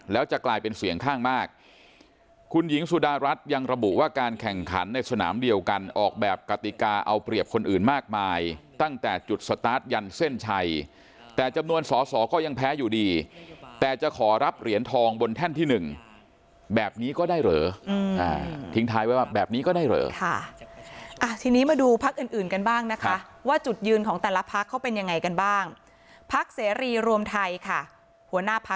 แล้วจะกลายเป็นเสียงข้างมากคุณหญิงสุดารัฐยังระบุว่าการแข่งขันในสนามเดียวกันออกแบบกติกาเอาเปรียบคนอื่นมากมายตั้งแต่จุดสตาร์ทยันเส้นชัยแต่จำนวนสอสอก็ยังแพ้อยู่ดีแต่จะขอรับเหรียญทองบนแท่นที่หนึ่งแบบนี้ก็ได้เหรอทิ้งท้ายไว้ว่าแบบนี้ก็ได้เหรอค่ะทีนี้มาดูพักอื่นอื่นกันบ้างนะคะว่าจุดยืนของแต่ละพักเขาเป็นยังไงกันบ้างพักเสรีรวมไทยค่ะหัวหน้าพัก